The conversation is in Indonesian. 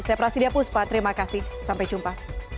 saya prasidya puspa terima kasih sampai jumpa